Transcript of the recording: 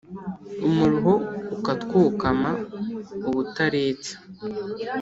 umuruho ukatwokama ubutaretsa.